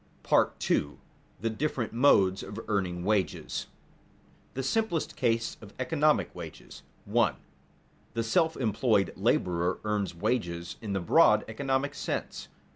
§ II. THE DIFFERENT MODES OF EARNING WAGES [Sidenote: The simplest case of economic wages] 1. _The self employed laborer earns wages in the broad economic sense.